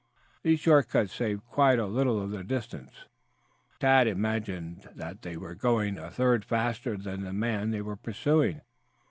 These short cuts saved quite a little of the distance. Tad imagined that they were going a third faster than the man they were pursuing.